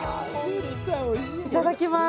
いただきます。